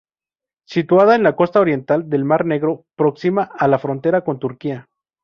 Situada en la costa oriental del mar Negro, próxima a la frontera con Turquía.